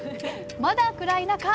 まだ暗い中港へ！